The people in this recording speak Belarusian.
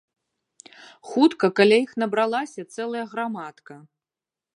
Хутка каля іх набралася цэлая грамадка.